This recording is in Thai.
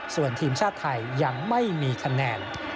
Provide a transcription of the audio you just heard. ส่วนทีมชาติไทยยังไม่มีคะแนน